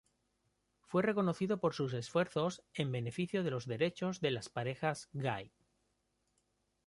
Fue reconocido por sus esfuerzos en beneficio de los derechos de las parejas gay.